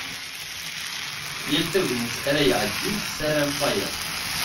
Yal tagnit ara iɛeddin tessaram tayeḍ.